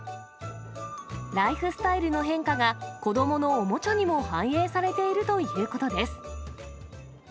ライフスタイルの変化が、子どものおもちゃにも反映されているということです。